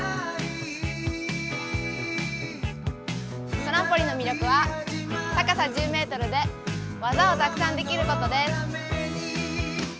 トランポリンの魅力は高さ１０ｍで技をたくさんできることです。